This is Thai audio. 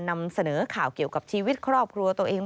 นำเสนอข่าวเกี่ยวกับชีวิตครอบครัวตัวเอง